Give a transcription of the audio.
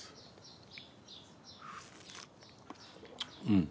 うん。